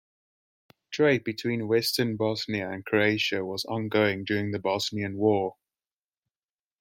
Trade between Western Bosnia and Croatia was ongoing during the Bosnian war.